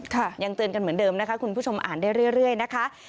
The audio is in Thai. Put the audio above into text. ยังเตือนกันเหมือนเดิมนะคะคุณผู้ชมอ่านได้เรื่อยนะคะ